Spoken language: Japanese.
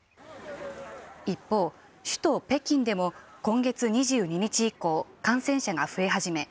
一方、首都北京でも今月２２日以降感染者が増え始め